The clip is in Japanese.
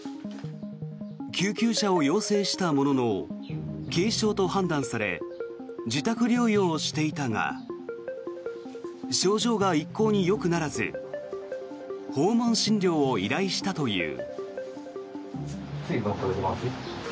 救急車を要請したものの軽症と判断され自宅療養をしていたが症状が一向によくならず訪問診療を依頼したという。